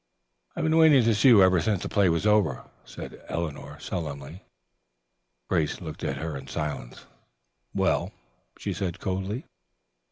"I've been waiting to see you ever since the play was over," said Eleanor sullenly. Grace looked at her in silence. "Well?" she said coldly.